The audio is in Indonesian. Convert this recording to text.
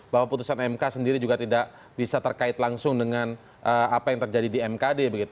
bahwa putusan mk sendiri juga tidak bisa terkait langsung dengan apa yang terjadi di mkd